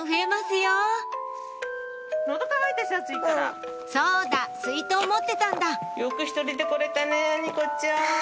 よく１人で来れたねぇにこちゃん。